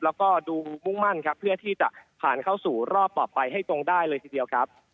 แล้วก็ดูมุ่งมั่นครับเพื่อที่จะผ่านเข้าสู่รอบต่อไปให้ตรงได้เลยทีเดียวครับ